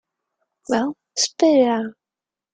Well, spit it out!